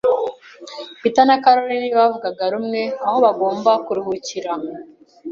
Peter na Carol ntibavugaga rumwe aho bagomba kuruhukira